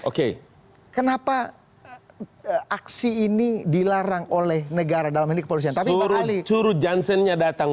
oke kenapa aksi ini dilarang oleh negara dalam ini polosnya tapi burung burung jansen nya datang